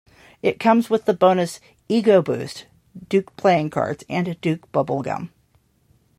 It comes with the bonus "Ego Boost", Duke Playing Cards and Duke Bubblegum.